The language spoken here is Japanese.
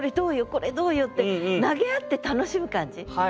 これどうよ？って投げ合って楽しむ感じ。